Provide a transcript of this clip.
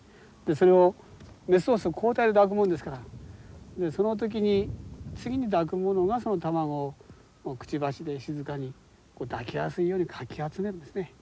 それをメスオス交代で抱くもんですからその時に次に抱く者がその卵をくちばしで静かに抱きやすいようにかき集めるんですね。